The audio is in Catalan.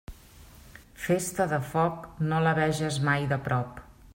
Festa de foc, no la veges mai de prop.